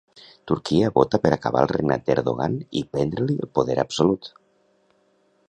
Turquia vota per a acabar el regnat d'Erdogan i prendre-li el poder absolut.